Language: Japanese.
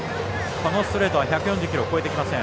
このストレートは１４０キロを超えてきません。